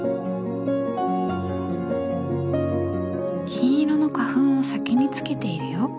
金色の花粉を先につけているよ。